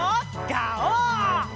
ガオー！